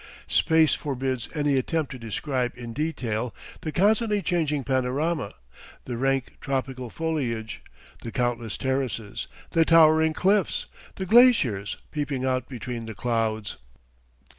Space forbids any attempt to describe in detail the constantly changing panorama, the rank tropical foliage, the countless terraces, the towering cliffs, the glaciers peeping out between the clouds.